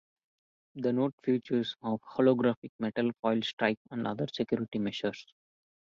The note features a holographic metal foil stripe and other security measures.